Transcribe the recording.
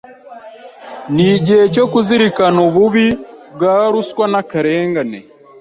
n’igihe cyo kuzirikana ububi bwa ruswa n’akarengane,